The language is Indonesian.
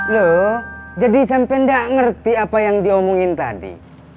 loh jadi sampai nggak ngerti apa yang diomongin tadi